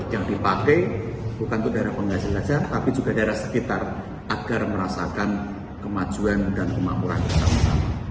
yang dipakai bukan untuk daerah penghasil saja tapi juga daerah sekitar agar merasakan kemajuan dan kemakmuran bersama sama